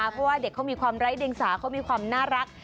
เพราะว่าเด็กเขามีความไร้เดียงสาเขามีความน่ารัก